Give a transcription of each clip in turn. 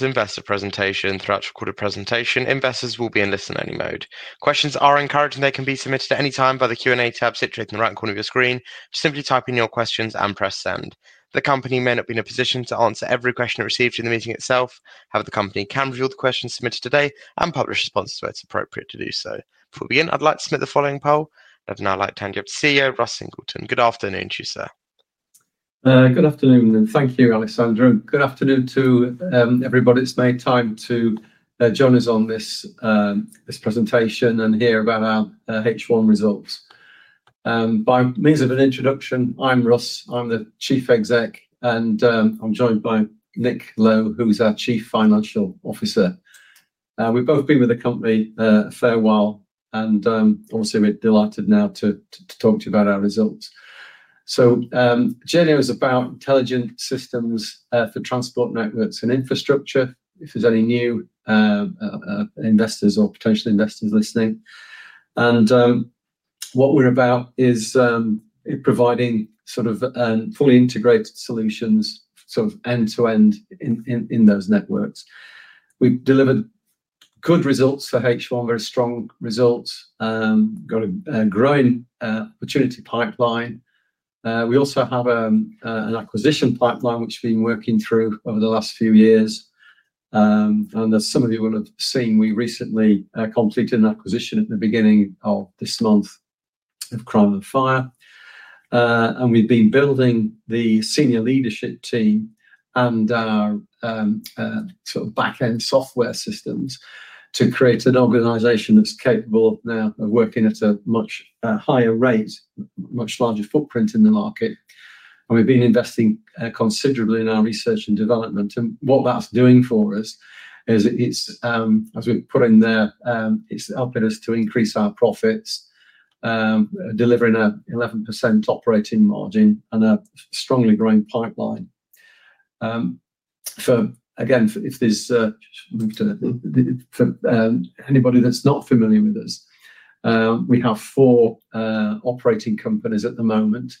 Investor Presentation throughout recorded presentation, investors will be in Listen only mode. Questions are encouraged and they can be submitted at any time by the Q&A tab situated in the right corner of your screen. Just simply type in your questions and press send. The company may not be in a position to answer every question it receives in the meeting itself. However, the company can review all the questions submitted today and publish responses where it's appropriate to do so. Before we begin, I'd like to submit the following poll. I'd now like to hand you over to CEO Russ Singleton. Good afternoon to you, sir. Good afternoon and thank you Alexandra. Good afternoon to everybody that's made time to join us on this presentation and hear about our H1 results. By means of an introduction, I'm Russ, I'm the Chief Executive, and I'm joined by Nick Lowe who's our Chief Financial Officer. We've both been with the company a fair while and obviously we're delighted now to talk to you about our results. Journeo is about intelligent systems for transport networks and infrastructure. If there's any new investors or potential investors listening, what we're about is providing sort of fully integrated solutions, sort of end to end in those networks. We've delivered good results for H1, very strong results. Got a growing opportunity pipeline. We also have an acquisition pipeline which we've been working through over the last few years and as some of you will have seen, we recently completed an acquisition at the beginning of this month of Crime and Fire Defence Systems and we've been building the senior leadership team and backend software systems to create an organization that's capable now of working at a much higher rate, much larger footprint in the market and we've been investing considerably in our research and development and what that's doing for us is, as we put in there, it's helping us to increase our profits, delivering an 11% operating margin and a strongly growing pipeline. If there's anybody that's not familiar with us, we have four operating companies at the moment.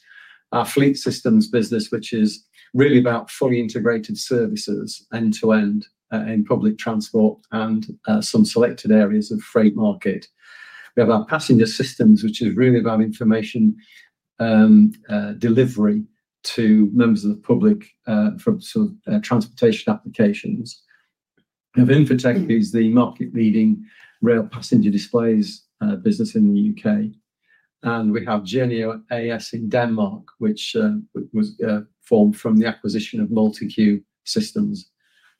Our Fleet Systems business is really about fully integrated services end to end in public transport and some selected areas of the freight market. We have our Passenger Systems which is really about information delivery to members of the public from transportation applications. Infotec is the market leading rail passenger displays business in the UK and we have Journeo A/S in Denmark which was formed from the acquisition of MultiQ Systems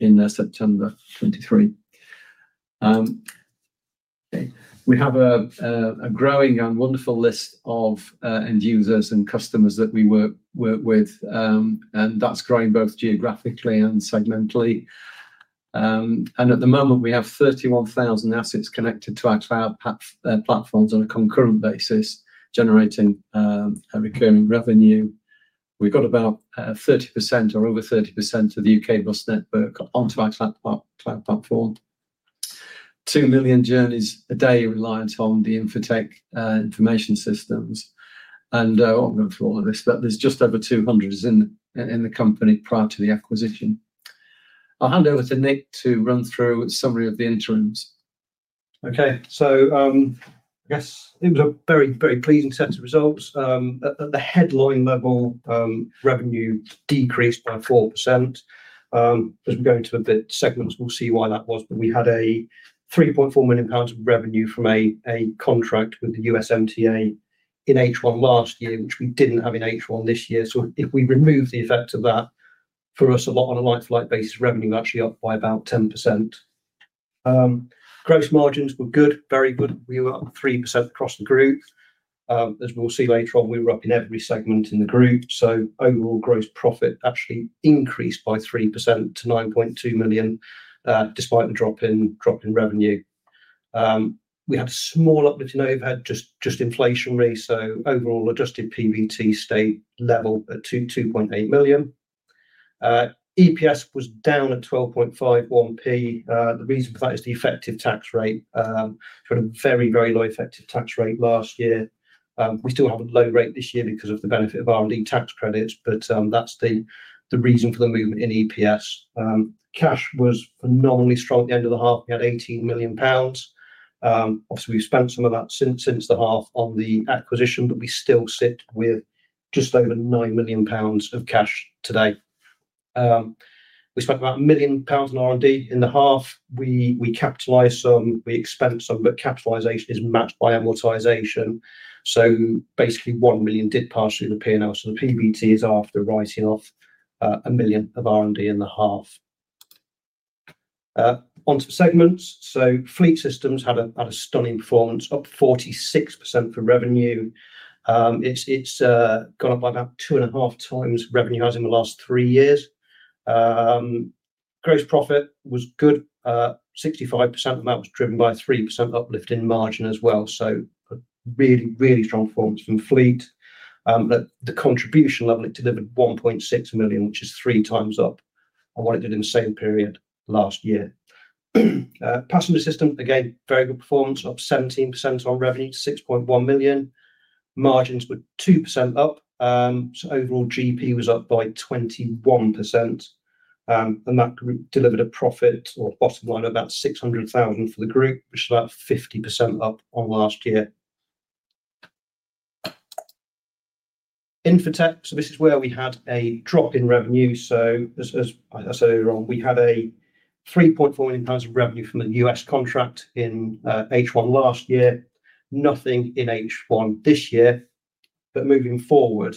in September 2023. We have a growing and wonderful list of end users and customers that we work with, and that's growing both geographically and segmentally. At the moment we have 31,000 assets connected to our cloud platforms on a concurrent basis generating a recurring revenue. We've got about 30% or over 30% of the UK bus network onto our cloud platform. Two million journeys a day, reliance on the Infotec information systems. I won't go through all of this, but there's just over 200 in the company prior to the acquisition. I'll hand over to Nick to run through summary of the interims. Okay, so yes, it was a very, very pleasing set of results. At the headline level, revenue decreased by 4%. As we go into the segments, we'll see why that was. We had £3.4 million of revenue from a contract with the U.S. MTA in H1 last year, which we didn't have in H1 this year. If we remove the effect of that for us, on a like-for-like basis, revenue actually up by about 10%. Gross margins were good, very good. We were up 3% across the group. As we'll see later on, we were up in every segment in the group. Overall, gross profit actually increased by 3% to £9.2 million. Despite the drop in revenue, we had small uplift in overhead, just inflationary. Overall, adjusted PBT stayed level at £2.8 million. EPS was down at 12.51p. The reason for that is the effective tax rate; we had a very, very low effective tax rate last year. We still have a low rate this year because of the benefit of R&D tax credits, but that's the reason for the movement in EPS. Cash was phenomenally strong. At the end of the half, we had £18 million. Obviously, we spent some of that since the half on the acquisition, but we still sit with just over £9 million of cash today. We spent about £1 million on R&D in the half. We capitalized some, we expensed some, but capitalization is matched by amortization. Basically, £1 million did pass through the P&L. The PBT is after the writing off of £1 million of R&D in the half. Onto segments. Fleet Systems had a stunning performance, up 46% for revenue. It's gone up by about two and a half times revenue has in the last three years. Gross profit was good. 65% amount was driven by 3% uplift in margin as well. Really, really strong performance from Fleet. The contribution level it delivered was £1.6 million, which is three times up on what it did in the same period last year. Passenger Systems, again, very good performance of 17% on revenue, £6.1 million. Margins were 2% up. Overall, GP was up by 21% and that delivered a profit or bottom line, about £600,000 for the group, which is about 50% up on last year. Infotec. This is where we had a drop in revenue. As I said earlier on, we had £3.4 million of revenue from the U.S. contract in H1 last year, nothing in H1 this year. Moving forward,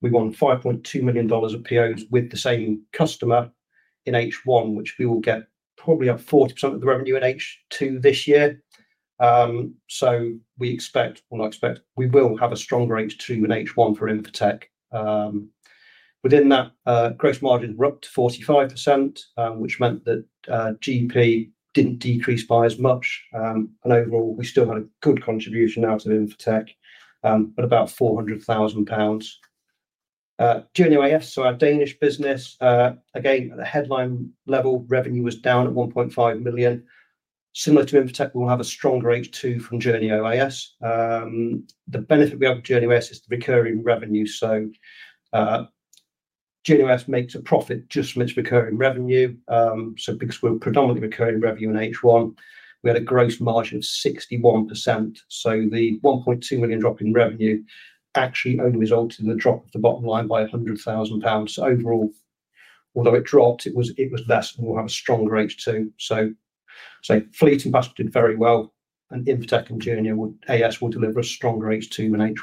we won $5.2 million of POS with the same customer in H1, which we will get probably up 40% of the revenue at H2 this year. I expect we will have a stronger H2 than H1 for Infotec. Within that, gross margins were up to 45%, which meant that GP didn't decrease by as much. Overall, we still had a good contribution out of Infotec at about £400,000. Journeo A/S, our Danish business, again, the headline level revenue was down at £1.5 million. Similar to Infotec, we'll have a stronger H2 from Journeo A/S. The benefit we have, Journeo, is the recurring revenue. Journeo makes a profit just from its recurring revenue. Because we're predominantly recurring revenue, in H1, we had a gross margin of 61%. The £1.2 million drop in revenue actually only resulted in the drop of the bottom line by £100,000 overall. Although it dropped, it was less, and we'll have a strong growth too. Fleet Systems and Passenger Systems did very well. Infotec and Journeo A/S will deliver a stronger H2. In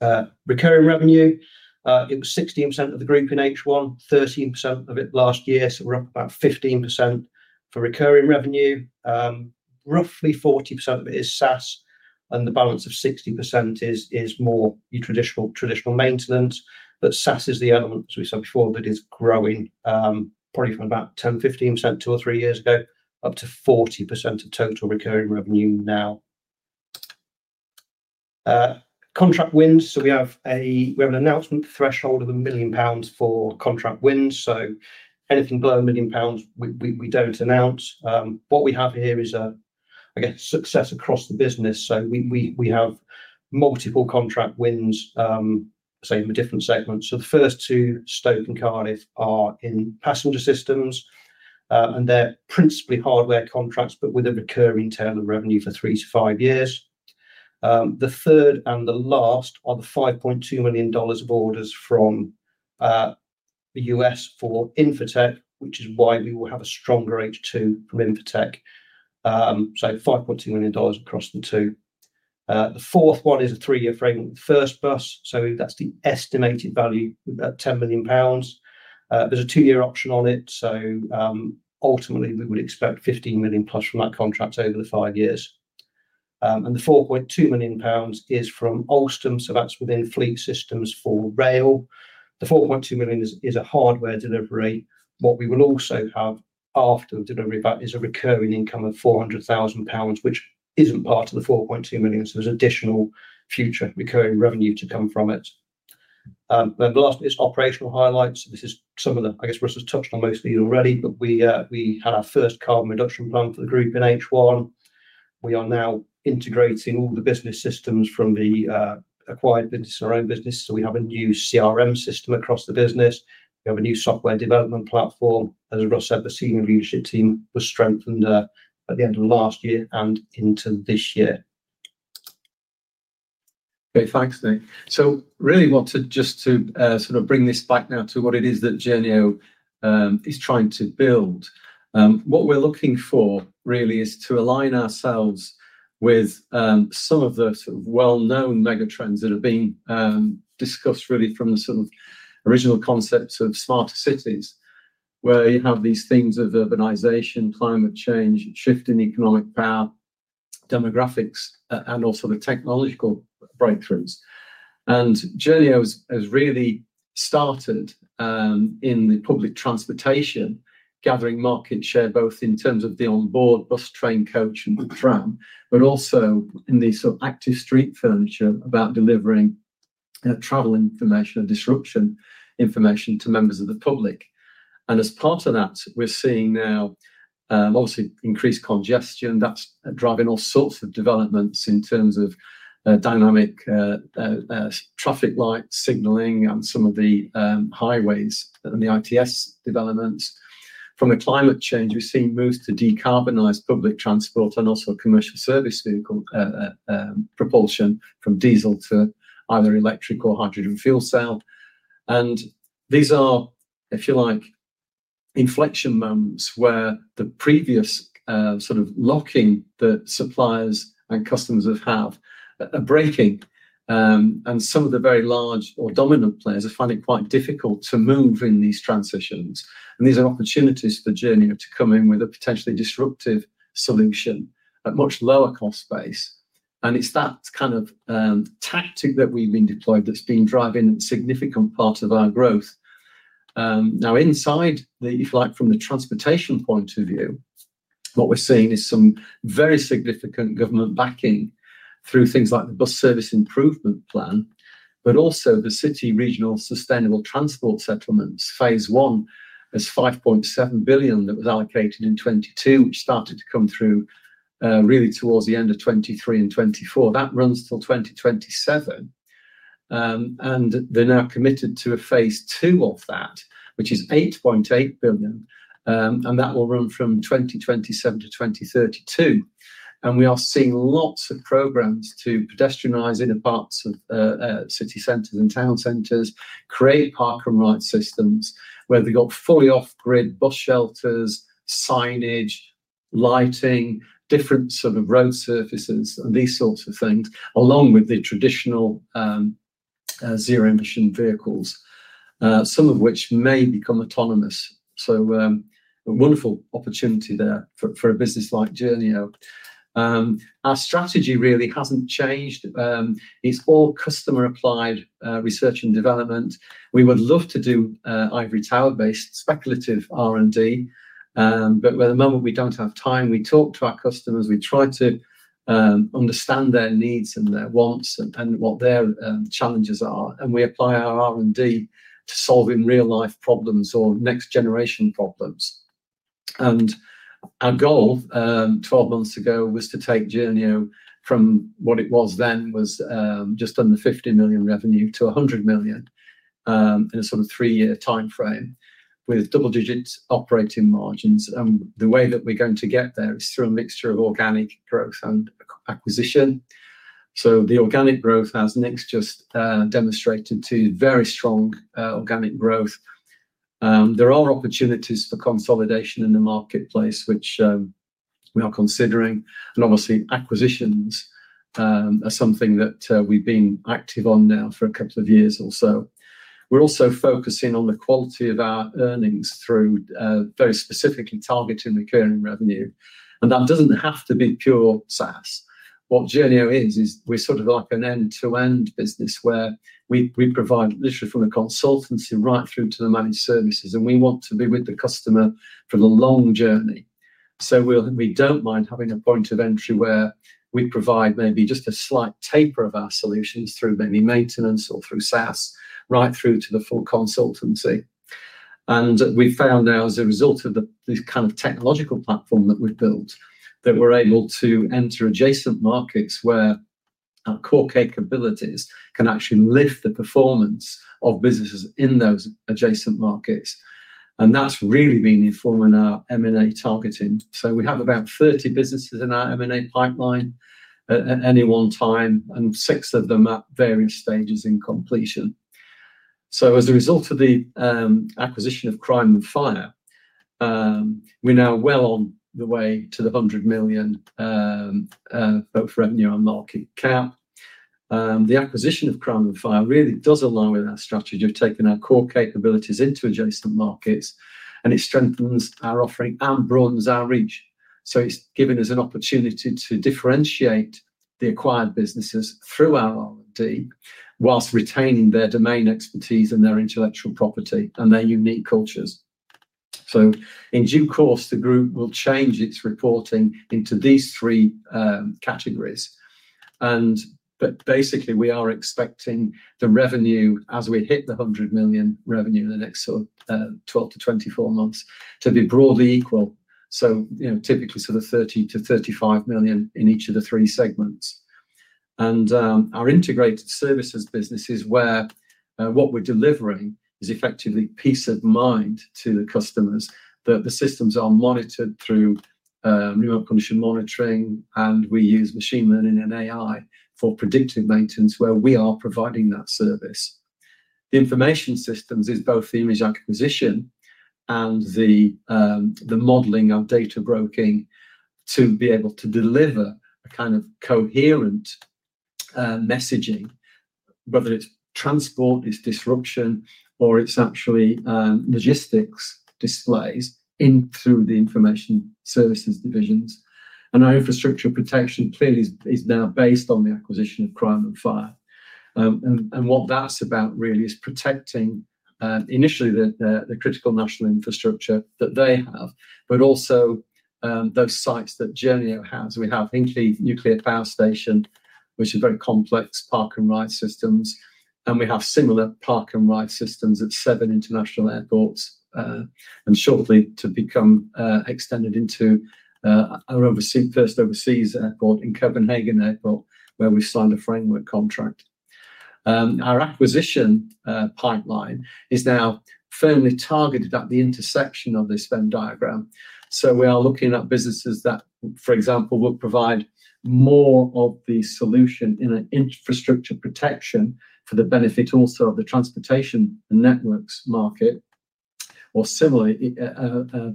H1, recurring revenue was 16% of the group; in H1 last year, 13% of it. We're up about 15% for recurring revenue. Roughly 40% of it is SaaS and the balance of 60% is more your traditional maintenance. That SaaS is the element, as we said before, that is growing probably from about 10-15% two or three years ago, up to 40% of total recurring revenue now. Contract wins. We have an announcement threshold of £1 million for contract wins. Anything below £1 million, we don't announce. What we have here is success across the business. We have multiple contract wins in the different segments. The first two, Stoke and Cardiff, are in Passenger Systems and they're principally hardware contracts, but with a recurring term of revenue for three to five years. The third and the last are the $5.2 million of orders from the U.S. for Infotec, which is why we will have a stronger H2 from Infotec. $5.2 million across the two. The fourth one is a three-year frame First Bus. That's the estimated value at £10 million. There's a two-year option on it. Ultimately, we would expect £15 million plus from that contract over the five years. The £4.2 million is from Alstom, so that's within Fleet Systems for rail. The £4.2 million is a hardware delivery. What we will also have after delivery VAT is a recurring income of £400,000, which isn't part of the £4.2 million. There's additional future recurring revenue to come from it. Operational highlights. Russ Singleton has touched on most of these already, but we had our first carbon reduction plan for the group in H1. We are now integrating all the business systems from the acquired business in our own business. We have a new CRM system across the business, a new software development platform, and as Russ said, the Senior Leadership Team was strengthened at the end of last year and into this year. Okay, thanks Nick. I really want to just sort of bring this back now to what it is that Journeo is trying to build. What we're looking for really is to align ourselves with some of the well known megatrends that have been discussed really from the sort of original concepts of smarter cities where you have these themes of urbanization, climate change, shift in economic power, demographics, and also the technological breakthroughs. Journeo has really started in the public transportation gathering market share both in terms of the onboard bus, train, coach, and the tram, but also in the active street furniture about delivering travel information and disruption information to members of the public. As part of that, we're seeing now obviously increased congestion that's driving all sorts of developments in terms of dynamic traffic light signaling and some of the highways. The ITS developments from a climate change, we've seen moves to decarbonize public transport and also commercial service vehicle propulsion from diesel to either electric or hydrogen fuel cell. These are, if you like, inflection moments where the previous sort of locking that suppliers and customers have had are breaking and some of the very large or dominant players are finding it quite difficult to move in these transitions. These are opportunities for Journeo to come in with a potentially disruptive solution at much lower cost base. It's that kind of tactic that we've been deploying that's been driving significant part of our growth now. Inside, if you like, from the transportation point of view, what we're seeing is some very significant government backing through things like the bus service improvement plan, but also the city regional sustainable transport settlements. Phase one, there's £5.7 billion that was allocated in 2022 which started to come through really towards the end of 2023 and 2024. That runs till 2027 and they're now committed to a phase two of that which is £8.8 billion and that will run from 2027 to 2032. We are seeing lots of programs to pedestrianize inner parts of city centres and town centres, create park and ride systems where they've got fully off grid bus shelters, signage, lighting, different sort of road surfaces, these sorts of things along with the traditional zero emission vehicles, some of which may become autonomous. A wonderful opportunity there for a business like Journeo. Our strategy really hasn't changed. It's all customer applied research and development. We would love to do ivory tower based speculative R and D, but at the moment we don't have time. We talk to our customers, we try to understand their needs and their wants and what their challenges are, and we apply our R and D to solving real life problems or next generation problems. Our goal 12 months ago was to take Journeo from what it was then, which was just under £50 million revenue, to £100 million in a sort of three year time frame with double-digit operating margins. The way that we're going to get there is through a mixture of organic growth and acquisition. The organic growth, as Nick's just demonstrated, is very strong organic growth. There are opportunities for consolidation in the marketplace, which we are considering, and obviously acquisitions are something that we've been active on now for a couple of years or so. We're also focusing on the quality of our earnings through very specifically targeting the recurring revenue. That doesn't have to be pure SaaS. What Journeo is, is we're sort of like an end-to-end business where we provide literally from a consultancy right through to the managed services, and we want to be with the customer for a long journey. We don't mind having a point of entry where we'd provide maybe just a slight taper of our solutions through any maintenance or through SaaS, right through to the full consultancy. We found now, as a result of this kind of technological platform that we've built, that we're able to enter adjacent markets where our core capabilities can actually lift the performance of businesses in those adjacent markets. That's really been informing our M and A targeting. We have about 30 businesses in our M and A pipeline at any one time and six of them at various stages in completion. As a result of the acquisition of Crime and Fire Defence Systems, we're now well on the way to the £100 million, both revenue and market out. The acquisition of Crime and Fire Defence Systems really does align with our strategy of taking our core capabilities into adjacent markets, and it strengthens our offering and broadens our reach. It's given us an opportunity to differentiate the acquired businesses through our deep expertise whilst retaining their domain expertise and their intellectual property and their unique cultures. In due course, the group will change its reporting into these three categories. We are expecting the revenue as we hit the £100 million revenue in the next 12 to 24 months to be broadly equal. Typically, £30 to £35 million in each of the three segments. Our integrated services business is where what we're delivering is effectively peace of mind to the customers, that the systems are monitored through remote monitoring and we use machine learning and AI for predictive maintenance where we are providing that service. The information systems is both the image acquisition and the modeling of data broking to be able to deliver a kind of coherent messaging, whether it's transport, it's disruption, or it's actually logistics displays into the information services divisions. Our infrastructure protection clearly is now based on the acquisition of Crime and Fire Defence Systems. What that's about really is protecting initially the critical national infrastructure that they have, but also those sites that Journeo has. We have Hinckley Nuclear Power Station, which is very complex park and ride systems, and we have similar park and ride systems at seven international airports and shortly to become extended into our first overseas airport in Copenhagen Airport where we've signed a framework contract. Our acquisition pipeline is now firmly targeted at the intersection of this Venn diagram. We are looking at businesses that, for example, will provide more of the solution in an infrastructure protection for the benefit also of the transportation networks market or similar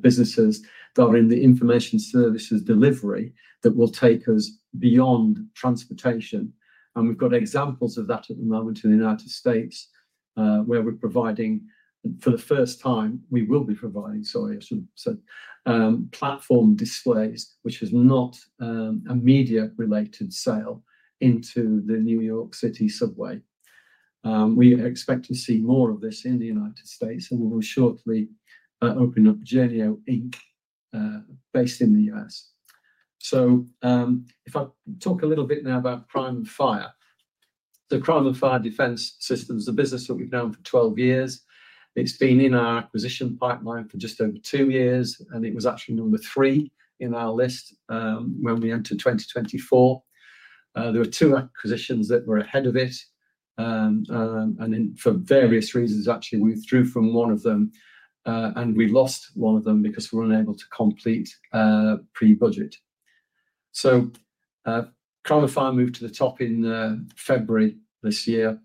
businesses that are in the information services delivery that will take us beyond transportation. We've got examples of that at the moment in the U.S. where we're providing, for the first time, platform displays which is not a media related sale into the New York City subway. We expect to see more of this in the U.S. and we will shortly open up Journeo Inc. based in the U.S. If I talk a little bit now about Crime and Fire Defence Systems, the business that we've known for 12 years, it's been in our acquisition pipeline for just over two years and it was actually number three in our list. When we entered 2024, there were two acquisitions that were ahead of it and then for various reasons we withdrew from one of them and we lost one of them because we were unable to complete pre-budget. So Crime and Fire moved to the top in February this year.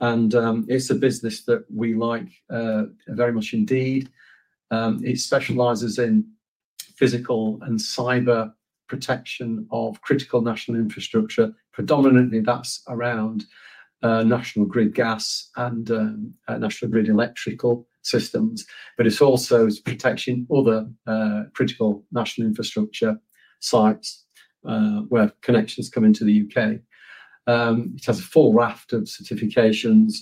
It's a business that we like very much indeed. It specializes in physical and cyber protection of critical national infrastructure. Predominantly that's around National Grid gas and National Grid electrical systems. It also is protecting other critical national infrastructure sites where connections come into the UK. It has a full raft of certifications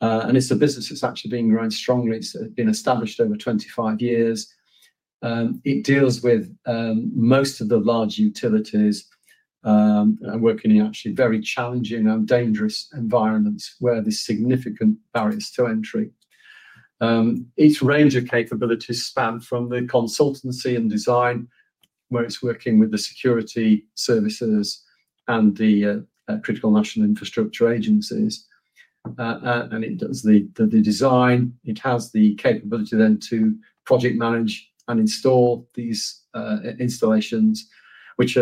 and it's a business that's actually been growing strongly. It's been established over 25 years. It deals with most of the large utilities working in actually very challenging and dangerous environments where there's significant barriers to entry. Its range of capabilities spans from consultancy and design, where it's working with the security services and the critical national infrastructure agencies, and it does the design. It has the capability then to project manage and install these installations, which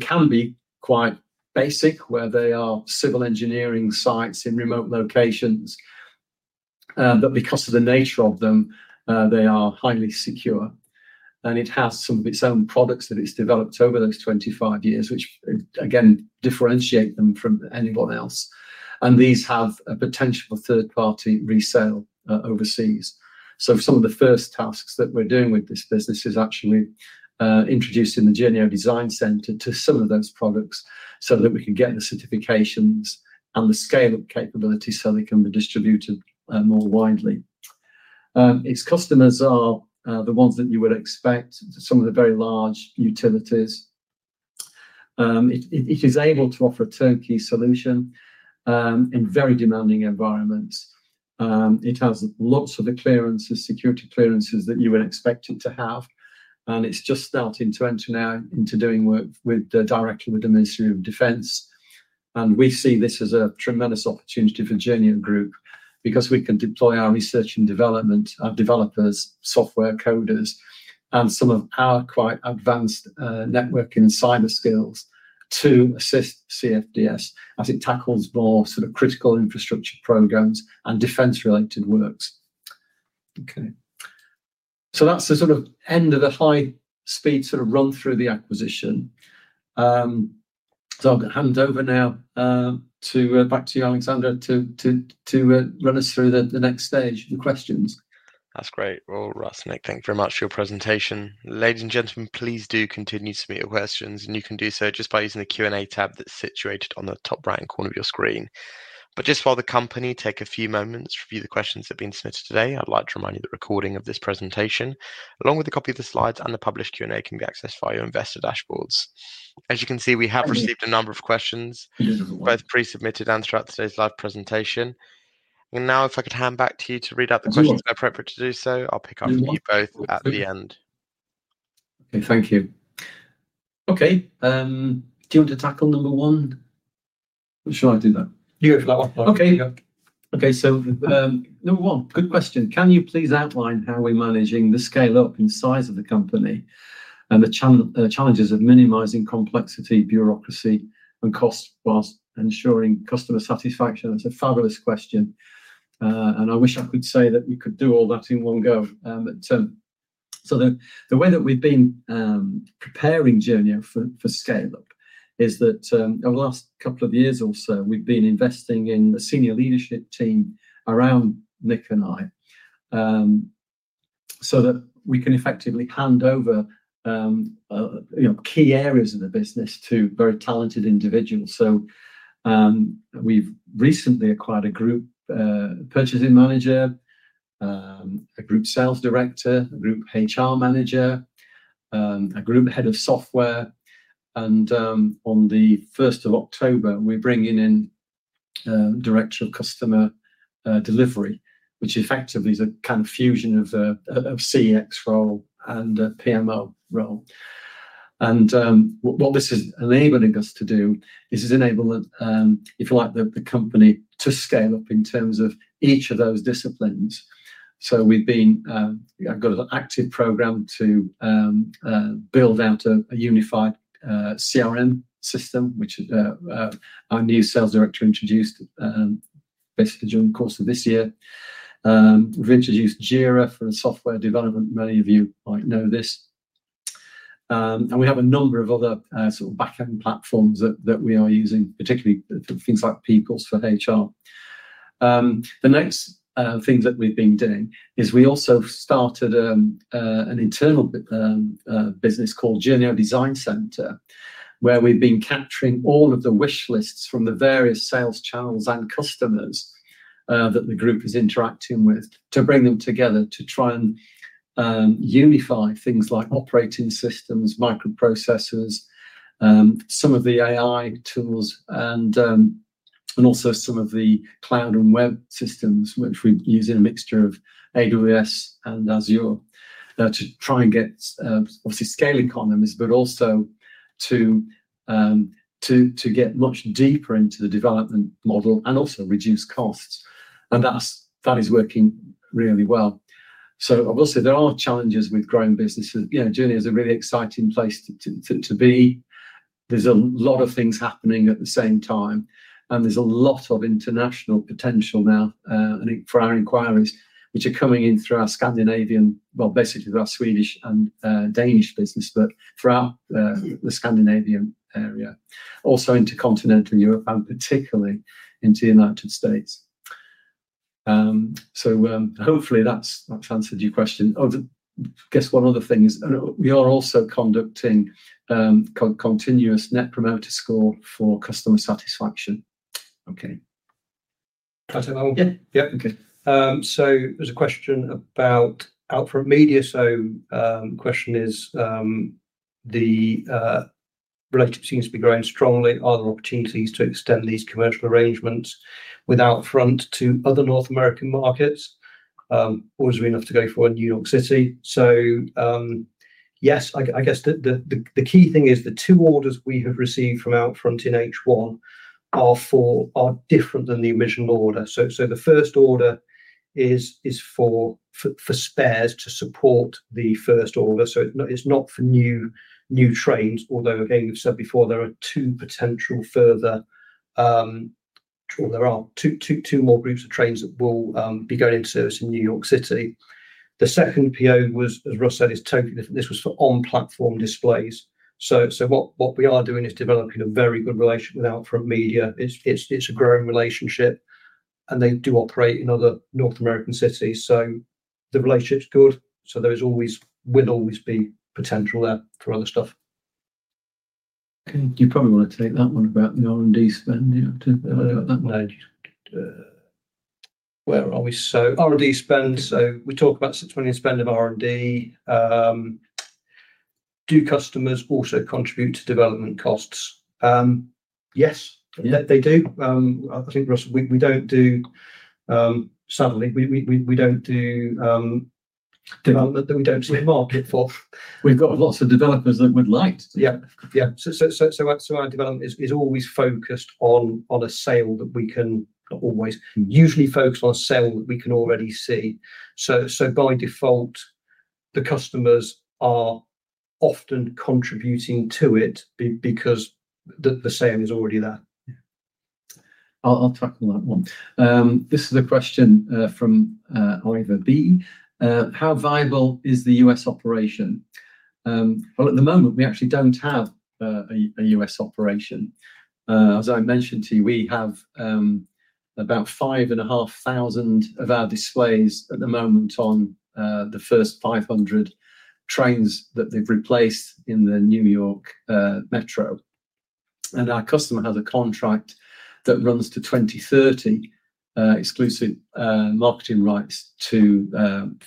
can be quite basic where they are civil engineering sites in remote locations, but because of the nature of them they are highly secure. It has some of its own products that it's developed over those 25 years, which again differentiate them from anyone else. These have a potential third-party resale overseas. Some of the first tasks that we're doing with this business is actually introducing the Journeo Design Centre to some of those products so that we could get the certifications and the scale of capabilities so they can be distributed more widely. Its customers are the ones that you would expect, some of the very large utilities. It is able to offer turnkey solutions in very demanding environments. It has lots of the clearances, security clearances that you would expect it to have. It's just starting to enter now into doing work directly with the Ministry of Defence. We see this as a tremendous opportunity for Journeo group because we can deploy our research and development, our developers, software coders, and some of our quite advanced networking and cyber skills to assist Crime and Fire Defence Systems as it tackles more critical infrastructure programs and defense-related works. That's the end of the high-speed run through the acquisition. I'll hand over now back to you, Alexandra, to run us through the next stage of the questions. That's great. Thank you very much for your presentation, ladies and gentlemen. Please do continue to submit your questions and you can do so just by using the Q and A tab that's situated on the top right-hand corner of your screen. While the company take a few moments to review the questions that have been submitted today, I'd like to remind you that a recording of this presentation along with a copy of the slides and the published Q and A can be accessed via Investor Dashboards. As you can see, we have received a number of questions both pre-submitted and throughout today's live presentation. Now, if I could hand back to you to read out the questions appropriate to do so, I'll pick up from you both at the end. Thank you. Okay, do you want to tackle number one? Should I do that? Yeah, for that one. Okay. Okay, so number one, good question. Can you please outline how we're managing the scale up and size of the company and the challenges of minimizing complexity, bureaucracy, and cost whilst ensuring customer satisfaction? That's a fabulous question and I wish I could say that we could do all that in one go. The way that we've been preparing Journeo for scale is that over the last couple of years or so we've been investing in the senior leadership team around Nick and I so that we can effectively hand over, you know, key areas of the business to very talented individuals. We've recently acquired a Group Purchasing Manager, a Group Sales Director, Group HR Manager, a Group Head of Software, and on the 1st of October we're bringing in Director of Customer Delivery which effectively is a kind of fusion of CEX role and PMO role. What this is enabling us to do is enable, if you like, the company to scale up in terms of each of those disciplines. We've got an active program to build out a unified CRM system which our new Sales Director introduced. Basically, during the course of this year we've introduced JIRA for software development. Many of you might know this and we have a number of other sort of backend platforms that we are using, particularly things like Peoples for HR. The next thing that we've been doing is we also started an internal business called Journeo Design Center where we've been capturing all of the wish lists from the various sales channels and customers that the group is interacting with to bring them together to try and unify things like operating systems, microprocessors, some of the AI tools, and also some of the cloud and web services systems which we use in a mixture of AWS and Azure to try and get obviously scaling continuous, but also to get much deeper into the development model and also reduce costs. That is working really well. I will say there are challenges with growing businesses. Journeo is a really exciting place to be. There's a lot of things happening at the same time and there's a lot of international potential now for our inquiries which are coming in through our Scandinavian, basically our Swedish and Danish business, but throughout the Scandinavian area also Intercontinental Europe and particularly into the United States. Hopefully that's answered your question. I guess one other thing is we are also conducting continuous net promoter score for customer satisfaction. Okay. Yeah. Okay. There's a question about Outfront Media. The question is the revenue seems to be growing strongly. Are there opportunities to extend these commercial arrangements with Outfront to other North American markets or is it enough to go for New York City? Yes, I guess the key thing is the two orders we have received from Outfront in H1 are different than the original order. The first order is for spares to support the first order. It's not for new trains. Although, again, we've said before there are two potential further or there are two more groups of trains that will be going into service in New York City. The second PO, as Russ said, is totally different. This was for on-platform displays. What we are doing is developing a very good relationship with Outfront Media. It's a growing relationship and they do operate in other North American cities. The relationship's good. There will always be potential there for other stuff. Okay, you probably want to take that one about the R&D spend. Where are we, R&D spend. We talk about £6.20 million spend of R&D. Do customers also contribute to development costs? Yes, they do. I think, Russ, we don't do, sadly, we don't do development that we don't see a market for. We've got lots of developers that would like. Our development is always focused on a sale that we can already see. By default, the customers are often contributing to it because the sale is already there. I'll tackle that one. This is a question from Iver B. How viable is the U.S. operation? At the moment we actually don't have a U.S. operation. As I mentioned to you, we have about 5,500 of our displays at the moment on the first 500 trains that they've replaced in the New York Metro. Our customer has a contract that runs to 2030, exclusive marketing rights for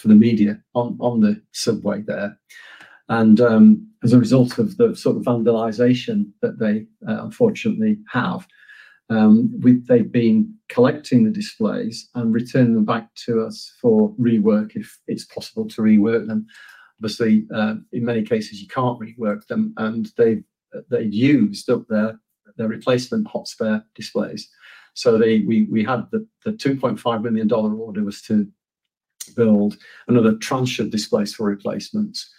the media on the subway there. As a result of the sort of vandalization that they unfortunately have, they've been collecting the displays and returning them back to us for rework if it's possible to rework them. Obviously, in many cases you can't rework them and they've used up their replacement hot spare displays. We had the $2.5 million order to build another transfer display for replacements.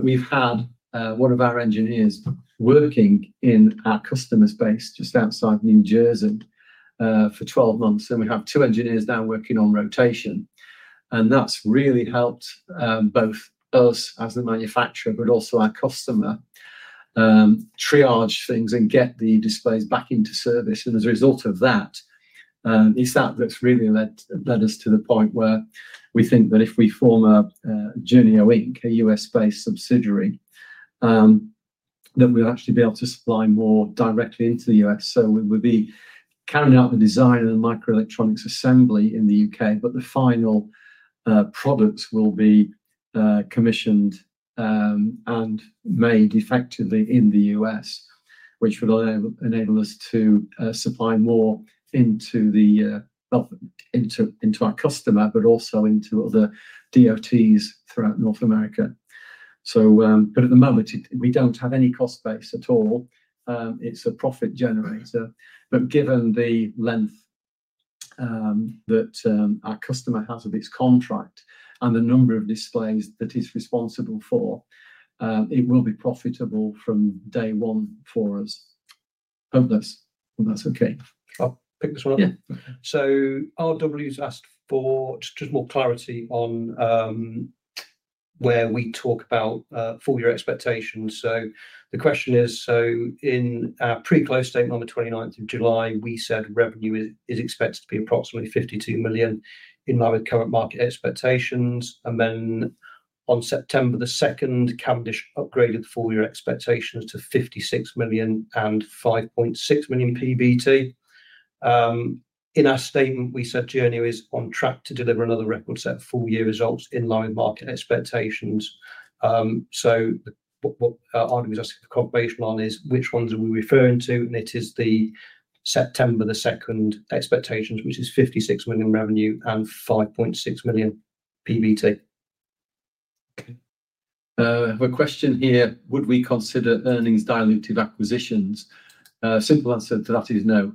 We've had one of our engineers working in our customer space just outside New Jersey for 12 months and we have two engineers now working on rotation. That's really helped both us as the manufacturer, but also our customer triage things and get the displays back into service. As a result of that, this outlet's really led us to the point where we think that if we form a Journeo Inc., a U.S.-based subsidiary, we'll actually be able to supply more directly into the U.S. We'll be carrying out the design of the microelectronics assembly in the UK, but the final products will be commissioned and made effectively in the U.S., which would enable us to supply more into our customer but also into other DOTs throughout North America. At the moment we don't have any cost base at all. It's a profit generator. Given the length that our customer has of its contract and the number of displays that it is responsible for, it will be profitable from day one for us. Hope that's okay. RW's asked for just more clarity on where we talk about full year expectations. The question is, in the pre-close statement on July 29 we said revenue is expected to be approximately £52 million in line with current market expectations. On September 2 Cavendish upgraded the full year expectations to £56 million and £5.6 million PBT. In our statement we said Journeo is on track to deliver another record set of full year results in line with market expectations. What RW is asking, the comp based line is which ones are we referring to? It is the September 2 expectations, which is £56 million revenue and £5.6 million PBT. My question here, would we consider earnings diluted acquisitions? Simple answer to that is no.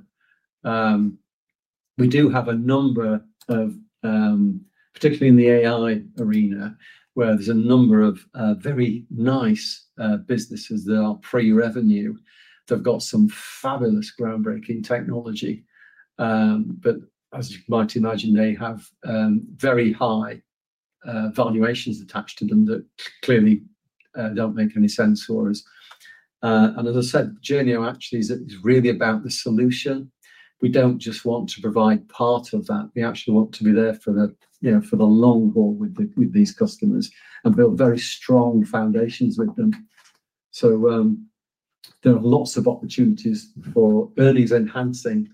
We do have a number of, particularly in the AI arena, where there's a number of very nice businesses that are pre-revenue, they've got some fabulous groundbreaking technology, but as you might imagine, they have very high valuations attached to them that clearly don't make any sense for us. As I said, Journeo actually is really about the solution. We don't just want to provide part of that, we actually want to be there for the long haul with these customers and build very strong foundations with them. There are lots of opportunities for earnings enhancing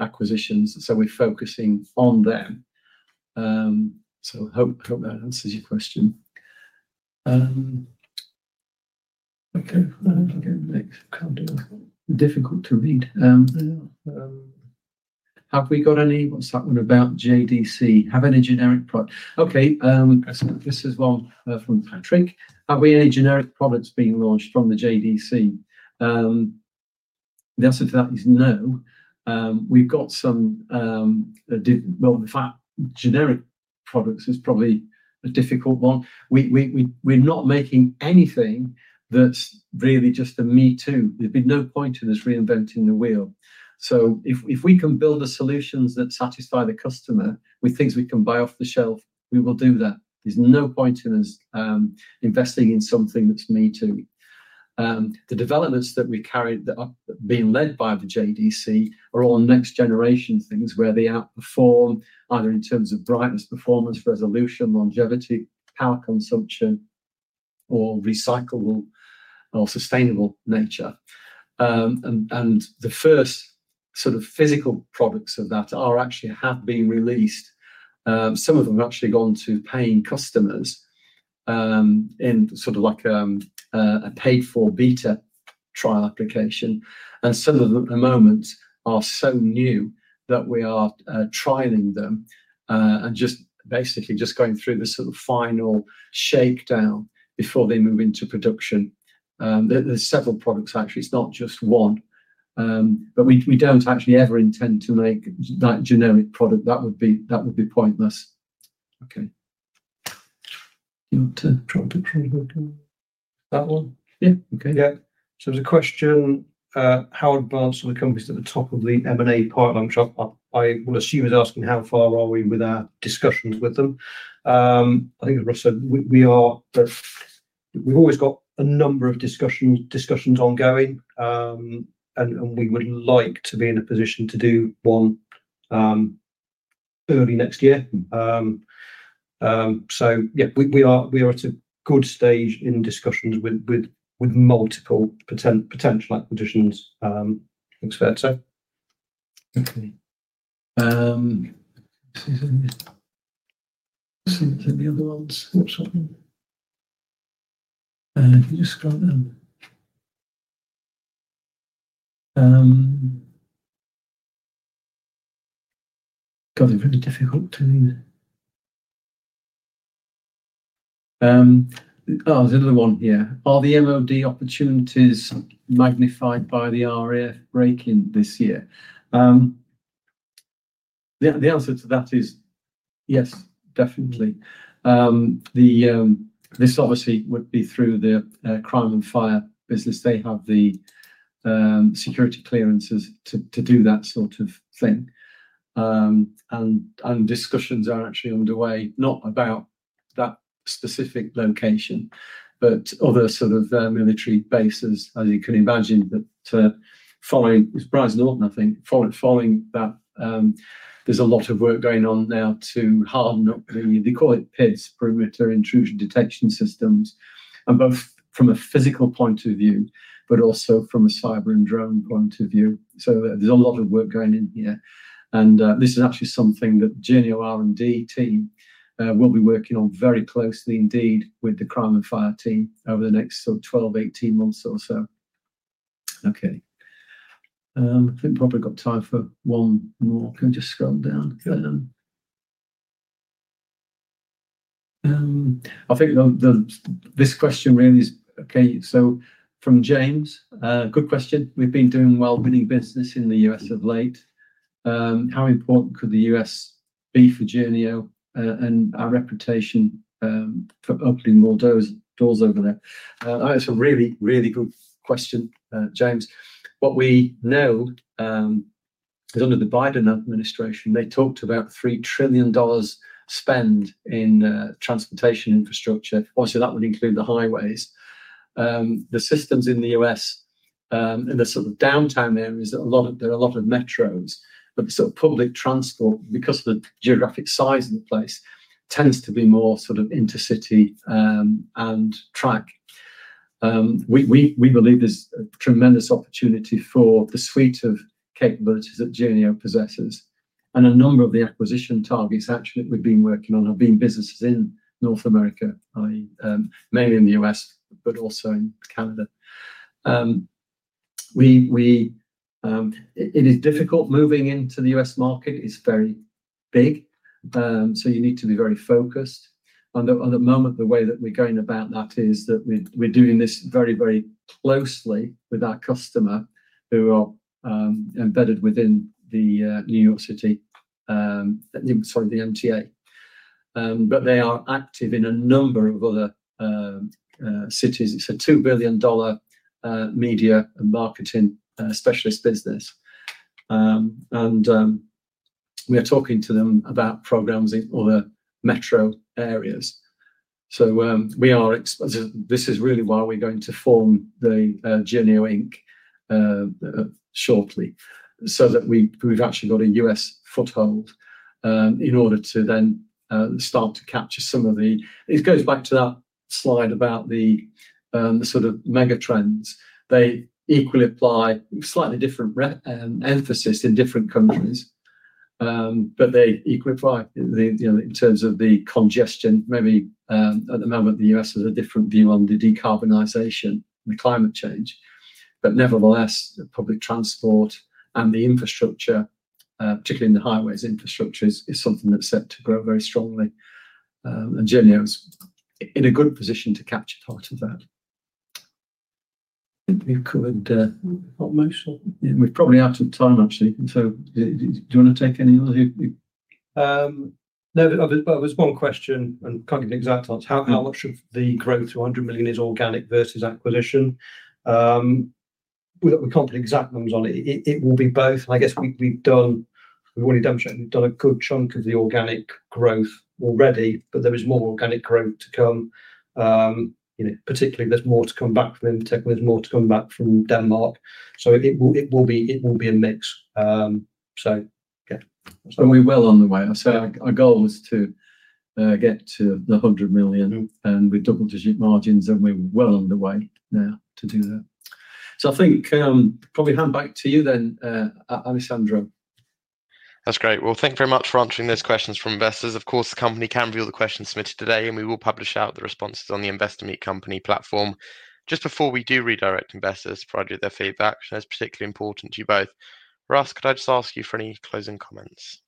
acquisitions. We're focusing on them. Hope that answers your question. Okay, difficult to read. Have we got any—what's that one about JDC? Have any generic product. Okay, this is one from Patrick. Are we any generic products being launched from the JDC? The answer to that is no. In fact, generic products is probably a difficult one. We're not making anything that's really just a me too. There'd be no point in us reinventing the wheel. If we can build the solutions that satisfy the customer with things we can buy off the shelf, we will do that. There's no point in us investing in something that's me too. The developments that we carry that are being led by the JDC are all next generation things where they outperform either in terms of brightness, performance, resolution, longevity, power consumption, or recyclable or sustainable nature. The first sort of physical products of that actually have been released. Some of them have actually gone to paying customers in sort of like a paid for beta trial application. Some of them at the moment are so new that we are trialing them and just basically just going through the sort of final shakedown before they move into production. There are several products actually, it's not just one, but we don't actually ever intend to make that generic product. That would be pointless. Okay, you want to drop the table? That one? Yeah. Ok. There's a question. How advanced from the companies at the top of the M&A pipeline, I will assume, is asking how far are we with our discussions with them? I think as Russ said, we've always got a number of discussions ongoing, and we would like to be in a position to do one early next year. We are at a good stage in discussions with multiple potential acquisitions. Okay, got it. Really difficult. Oh, there's another one. Yeah. Are the MOD opportunities magnified by the RAF break in this year? The answer to that is yes, definitely. This obviously would be through the Crime and Fire Defence Systems business. They have the security clearances to do that sort of thing. Discussions are actually underway not about that specific location, but other sort of military bases. As you can imagine, following Surprising Norton, I think following that there's a lot of work going on now to harden up. They call it PIDS, Perimeter Intrusion Detection Systems, and both from a physical point of view but also from a cyber and drone point of view. There's a lot of work going in here and this is actually something that the JN D team will be working on very closely indeed with the Crime and Fire team over the next 12, 18 months or so. Okay, I think probably got time for one more. Can I just scroll down? I think this question really is. Okay, so from James. Good question. We've been doing well, winning business in the U.S. of late. How important could the U.S. be for Journeo? Oh, and our reputation for opening more doors over there. That's a really, really good question, James. What we know is under the Biden administration, they talked about $3 trillion spend in transportation infrastructure. Also, that would include the highways, the systems in the U.S. in the sort of downtown areas. There are a lot of metros, but the public transport, because the geographic size of the place, tends to be more sort of intercity and track. We believe there's a tremendous opportunity for the suite of capabilities that Journeo possesses and a number of the acquisition targets actually we've been working on have been businesses in North America, mainly in the U.S. but also in Canada. It is difficult moving into the U.S. market. It's very big, so you need to be very focused at the moment. The way that we're going about that is that we're doing this very, very closely with our customer who are embedded within the New York City, sorry, the MTA, but they are active in a number of other cities. It's a $2 billion media marketing specialist business and we're talking to them about programs in other metro areas. This is really why we're going to form the Journeo Inc. shortly, so that we've actually got a U.S. foothold in order to then start to capture some of the—it goes back to that slide about the sort of megatrends. They equally apply, slightly different emphasis in different countries, but they equally apply in terms of the congestion. Maybe at the moment the U.S. has a different view on the decarbonization, the climate change, but nevertheless, the public transport and the infrastructure, particularly in the highways infrastructure, is something that's set to grow very strongly and Journeo is in a good position to catch a target of that. We're probably out of time, actually. Do you want to take any other? There's one question and can't get an exact answer. How much of the growth to $100 million is organic versus acquisition? We can't put exact numbers on it. It will be both. I guess we've already demonstrated we've done a good chunk of the organic growth already, but there is more organic growth to come. Particularly, there's more to come back from Infotec, there's more to come back from Denmark, so it will be a mix. Yes, we're well on the way. I said our goal was to get to the $100 million with double-digit margins, and we're well underway now to do that. I think probably hand back to you then, Alessandro. That's great. Thank you very much for answering those questions from investors. Of course, the company can view the questions submitted today, and we will publish the responses on the Investor Meet Company platform. Just before we do, we redirect investors to provide you with their feedback. That's particularly important to you both. Russ, could I just ask you for any closing comments?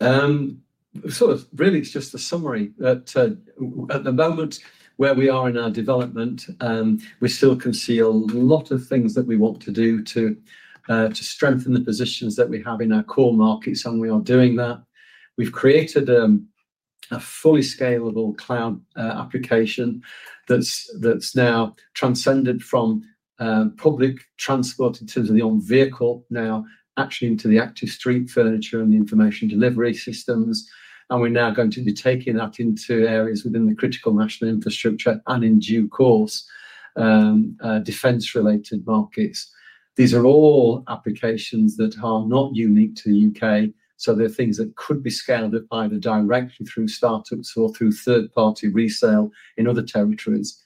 It's just a summary that at the moment where we are in our development, we still can see a lot of things that we want to do to strengthen the positions that we have in our core markets, and we are doing that. We've created a fully scalable cloud application that's now transcended from public transport in terms of the own vehicle, now actually into the active street furniture and the information delivery systems, and we're now going to be taking that into areas within the critical national infrastructure and in due course defense related markets. These are all applications that are not unique to the UK, so they're things that could be scaled either directly through startups or through third party resale in other territories.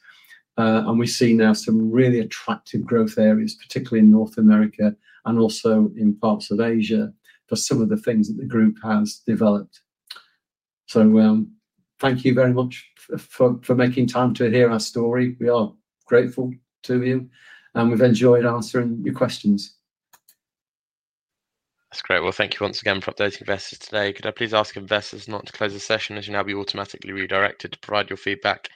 We see now some really attractive growth areas, particularly in North America and also in parts of Asia for some of the things that the group has developed. Thank you very much for making time to hear our story. We are grateful to you, and we've enjoyed answering your questions. That's great. Thank you once again for updating investors today. Could I please ask investors not to close the session as you will now be automatically redirected to provide your feedback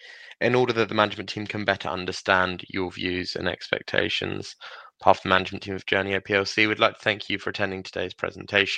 in order that the management team can better understand your views and expectations. Part of the management team of Journeo plc, we'd like to thank you for attending today's presentation.